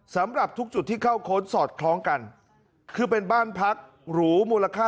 สำหรับทุกจุดที่เข้าค้นสอดคล้องกันคือเป็นบ้านพักหรูมูลค่า